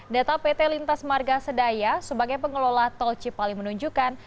data pt lintas marga sedaya sebagai pengelola tol cipali menunjukkan